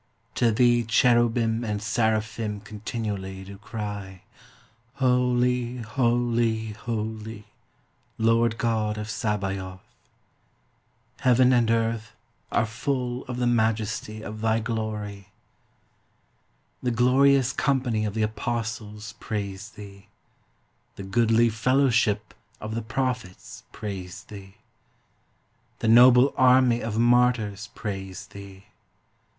To thee Cherubim and Seraphim continually do cry, Holy, Holy, Holy, Lord God of Sabaoth; Heaven and earth are full of the Majesty of thy Glory. The glorious company of the Apostles praise thee. The goodly fellowship of the Prophets praise thee. The noble army of Martyrs praise thee.